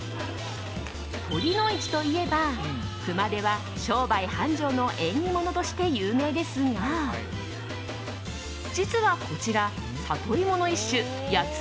酉の市といえば熊手は商売繁盛の縁起物として有名ですが実はこちら、サトイモの一種八ツ